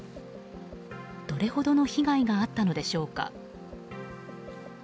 どれほどの被害があったのでしょうか。